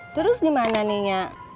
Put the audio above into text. terus dimana nih nya